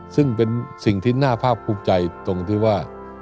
ซึ่งเป็นสิ่งที่น่าภาพภูมิใจตรงที่ว่า